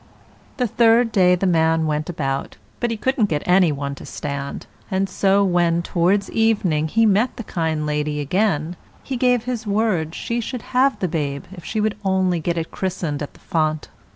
The third day, the man went about, but he couldn't get any one to stand; and so when, towards evening, he met the kind lady again, he gave his word she should have the babe if she would only get it christened at the font.